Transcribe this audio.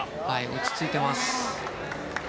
落ち着いてます。